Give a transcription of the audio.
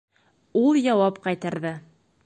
Ул яуап ҡайтарҙы: